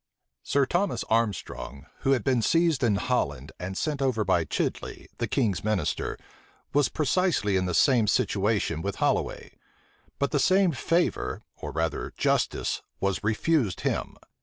Sir Thomas Armstrong, who had been seized in Holland, and sent over by Chidley, the king's minister, was precisely in the same situation with Holloway: but the same favor, or rather justice, was refused him.